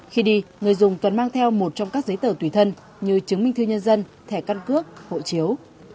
khi đi người dùng cần mang theo một trong các giấy tờ tùy thân như chứng minh thư nhân dân thẻ căn cước hộ chiếu